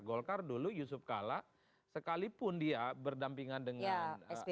golkar dulu yusuf kala sekalipun dia berdampingan dengan ahok